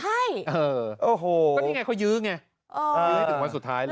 ก็นี่ไงเขายื้อไงไม่ถึงวันสุดท้ายเลย